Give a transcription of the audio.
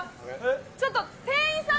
ちょっと、店員さん！